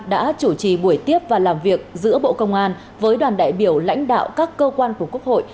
đã chủ trì buổi tiếp và làm việc giữa bộ công an với đoàn đại biểu lãnh đạo các cơ quan của quốc hội